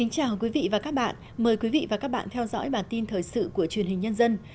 chào mừng quý vị đến với bản tin thời sự của truyền hình nhân dân